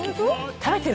食べてる？